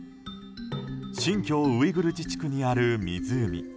新疆ウイグル自治区にある湖。